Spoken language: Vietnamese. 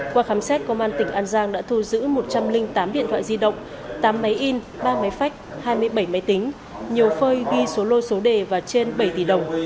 qua khám xét công an tỉnh an giang đã thu giữ một trăm linh tám điện thoại di động tám máy in ba máy phách hai mươi bảy máy tính nhiều phơi ghi số lô số đề và trên bảy tỷ đồng